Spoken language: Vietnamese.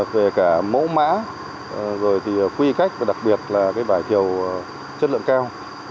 về cả mẫu mã quy cách và đặc biệt là vải thiều chất lượng cao